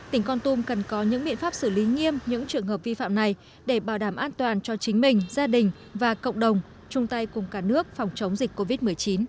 tỉnh con tum cần có những biện pháp xử lý nghiêm những trường hợp vi phạm này để bảo đảm an toàn cho chính mình gia đình và cộng đồng chung tay cùng cả nước phòng chống dịch covid một mươi chín